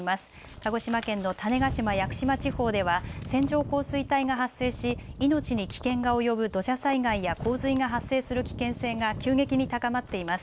鹿児島県の種子島・屋久島地方では線状降水帯が発生し命に危険が及ぶ土砂災害や洪水が発生する危険性が急激に高まっています。